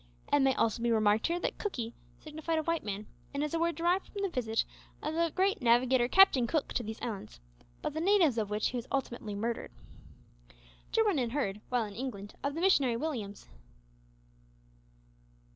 It may also be remarked here that "Cookee" signified a white man, and is a word derived from the visit of that great navigator Captain Cook to these islands, by the natives of which he was ultimately murdered. Jarwin had heard, while in England, of the missionary Williams.